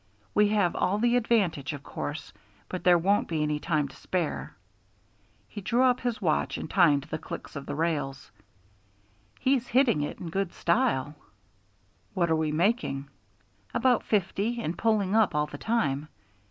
We have all the advantage, of course, but there won't be any time to spare." He drew out his watch and timed the clicks of the rails. "He's hitting it up in good style." "What are we making?" "About fifty, and pulling up all the time.